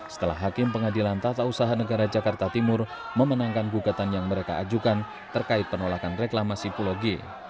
setelah hakim pengadilan tata usaha negara jakarta timur memenangkan gugatan yang mereka ajukan terkait penolakan reklamasi pulau g